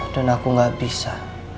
dan aku gak bisa